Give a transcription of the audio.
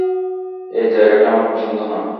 এই জায়গাটা আমার পছন্দ না।